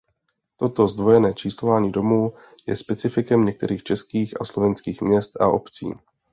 Toto zdvojené číslování domů je specifikem některých českých a slovenských měst a obcí.